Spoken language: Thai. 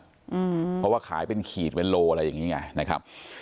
เพราะว่าขายเป็นขีดเวนโลอะไรอย่างนี้ไงนะครับ